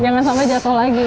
jangan sampai jatuh lagi